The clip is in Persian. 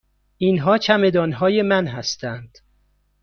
اینها چمدان های من هستند.